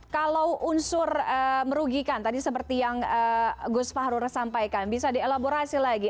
kalau unsur merugikan tadi seperti yang gus fahrur sampaikan bisa dielaborasi lagi